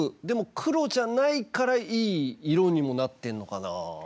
でも黒じゃないからいい色にもなってんのかなぁ。